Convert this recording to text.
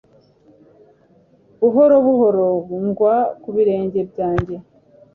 Buhoro buhoro ngwa ku birenge byanjye